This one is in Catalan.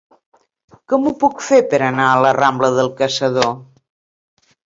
Com ho puc fer per anar a la rambla del Caçador?